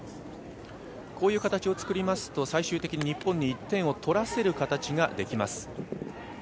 こういう形を作りますと、最終的に日本に１点を取らせる形ができます。